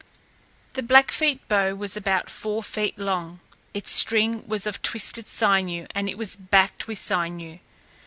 The Blackfeet bow was about four feet long. Its string was of twisted sinew and it was backed with sinew.